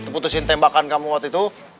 putusin tembakan kamu waktu itu